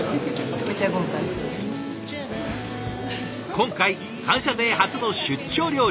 今回感謝デー初の出張料理。